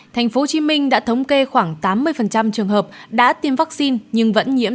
thành phố hồ chí minh đã thống kê khoảng tám mươi trường hợp đã tiêm vaccine nhưng vẫn nhiễm